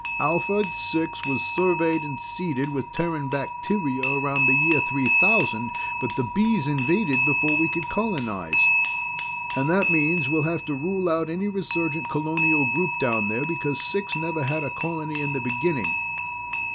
"Alphard Six was surveyed and seeded with Terran bacteria around the year 3000, but the Bees invaded before we could colonize. And that means we'll have to rule out any resurgent colonial group down there, because Six never had a colony in the beginning."